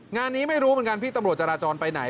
งานนี้ไม่รู้เหมือนกันพี่ตำรวจจราจรไปไหน